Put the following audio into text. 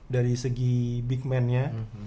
dari segi big man nya